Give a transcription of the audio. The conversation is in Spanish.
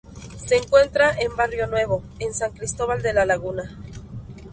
Se encuentra en Barrio Nuevo, en San Cristóbal de La Laguna.